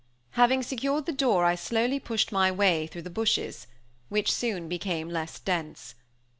Having secured the door I slowly pushed my way through the bushes, which soon became less dense.